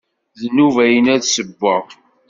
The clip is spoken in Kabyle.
D nnuba-inu ad ssewweɣ.